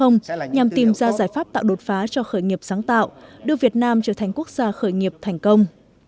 nhằm tìm ra giải pháp tạo đột phá cho khởi nghiệp sáng tạo đưa việt nam trở thành quốc gia khởi nghiệp thành công